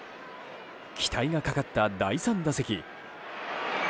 期待がかかった第３打席。